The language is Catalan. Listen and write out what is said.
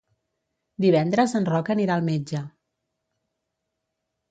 Divendres en Roc anirà al metge.